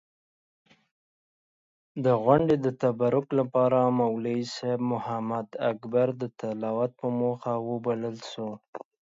د غونډې د تبرک لپاره مولوي صېب محمداکبر د تلاوت پۀ موخه وبلل شو.